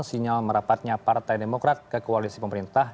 sinyal merapatnya partai demokrat ke koalisi pemerintah